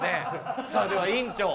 さあでは院長